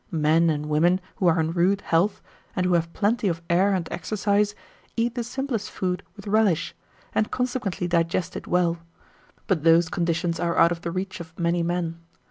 Men and women who are in rude health, and who have plenty of air and exercise, eat the simplest food with relish, and consequently digest it well; but those conditions are out of the reach of many men.